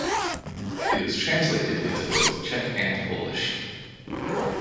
It was translated into both Czech and Polish.